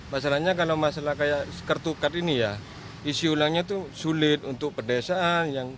masalahnya kalau masalah kayak kartu kart ini ya isi ulangnya itu sulit untuk pedesaan